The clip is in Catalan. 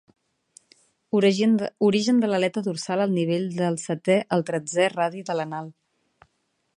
Origen de l'aleta dorsal al nivell del setè al tretzè radi de l'anal.